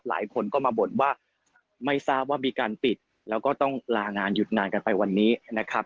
หลายคนก็มาบ่นว่าไม่ทราบว่ามีการปิดแล้วก็ต้องลางานหยุดงานกันไปวันนี้นะครับ